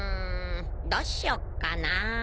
どうしよっかな？